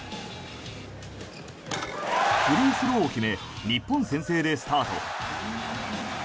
フリースローを決め日本先制でスタート。